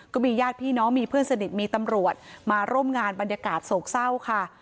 ก็มีญาติพี่น้องมีเพื่อนสนิทมีตำรวจมาร่วมงานบรรยากาศโศกเศร้าค่ะ